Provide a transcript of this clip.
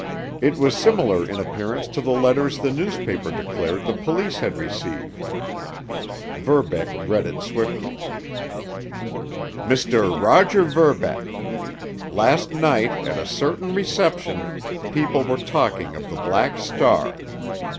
It was similar in appearance to the letters the newspapers declared the police had received. Verbeck read it swiftly: Mr. Roger Verbeck: Last night at a certain reception people were talking of the Black Star.